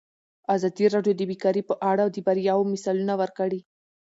ازادي راډیو د بیکاري په اړه د بریاوو مثالونه ورکړي.